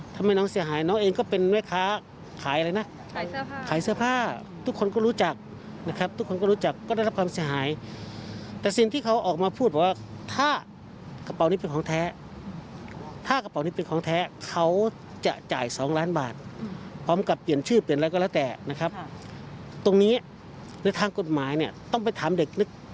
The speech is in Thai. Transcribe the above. ต้องไปถามเด็กนักเรียนนักศึกษาปริญญาตีปี๑